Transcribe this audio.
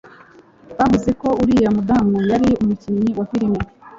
Bavuze ko uriya mudamu yari umukinnyi wa filime.